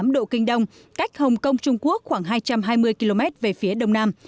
một trăm một mươi năm tám độ kinh đông cách hồng kông trung quốc khoảng hai trăm hai mươi km về phía đông nam